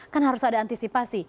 kan harus ada antisipasi